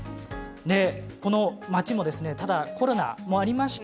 この町も、コロナもありまして